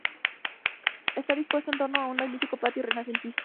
Está dispuesto en torno a un magnífico patio renacentista.